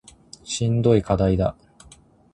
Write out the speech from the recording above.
しんどい課題だ